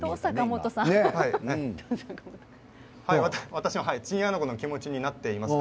私もチンアナゴの気持ちになっています。